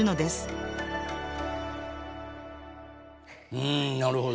うんなるほど。